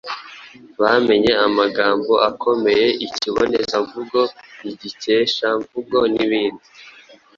bamenye amagambo akomeye, ikibonezamvugo, igikeshamvugon’ibindi...